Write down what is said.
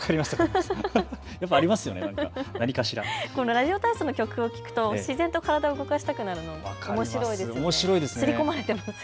ラジオ体操の曲を聞くと自然と体を動かしたくなるの、おもしろいですよね。